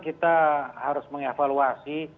kita harus mengevaluasi